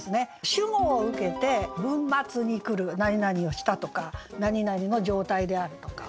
主語を受けて文末に来る「なになにをした」とか「なになにの状態である」とか。